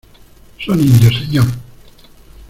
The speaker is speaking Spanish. son indios, señor...